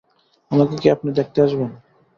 আমাকে কি আপনি দেখতে আসবেন?